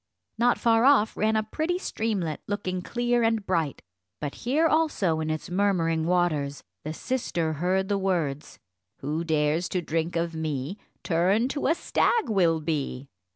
Not far off ran a pretty streamlet, looking clear and bright; but here also in its murmuring waters, the sister heard the words "Who dares to drink of me, Turned to a stag will be."